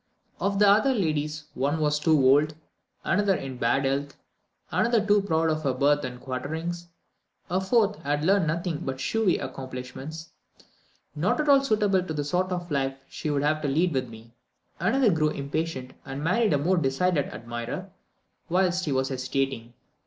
Of the other ladies, one was too old, another in bad health, another too proud of her birth and quarterings, a fourth had learned nothing but shewy accomplishments, "not at all suitable to the sort of life she would have to lead with me," another grew impatient, and married a more decided admirer, whilst he was hesitating.